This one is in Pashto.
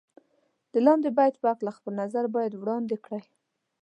د لاندې بیت په هکله خپل نظر باید وړاندې کړئ.